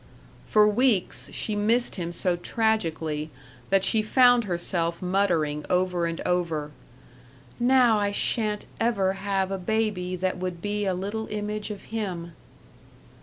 § 8 For weeks she missed him so tragically that she found herself muttering over and over, "Now I sha'n't ever have a baby that would be a little image of him."